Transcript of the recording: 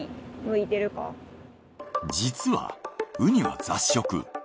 実はウニは雑食。